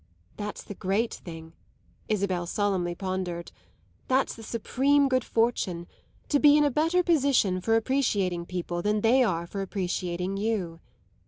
"That's the great thing," Isabel solemnly pondered; "that's the supreme good fortune: to be in a better position for appreciating people than they are for appreciating you."